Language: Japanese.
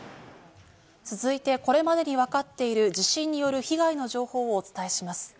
続いて、これまでにわかっている地震による被害の情報をお伝えします。